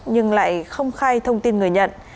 nhưng lại không khai thông tin người nhận